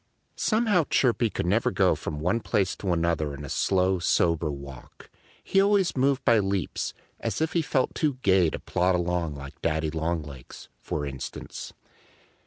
Somehow Chirpy could never go from one place to another in a slow, sober walk. He always moved by leaps, as if he felt too gay to plod along like Daddy Longlegs, for instance.